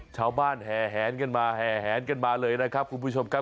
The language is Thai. ชาวบ้านแห่งกันมาแห่งกันมาเลยนะครับคุณผู้ชมครับ